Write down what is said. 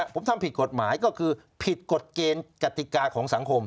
ผมทำผิดกฎหมายก็คือผิดกฎเกณฑ์กติกาของสังคม